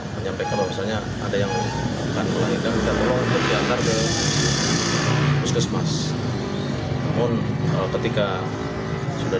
menyampaikan bahwasanya ada yang akan melahirkan kita tolong berjalan ke puskesmas ketika sudah